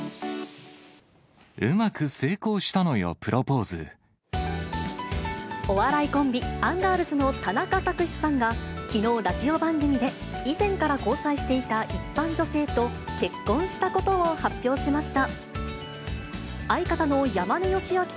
うまく成功したのよ、お笑いコンビ、アンガールズの田中卓志さんが、きのう、ラジオ番組で以前から交際していた一般女性と結婚したことを発表しました。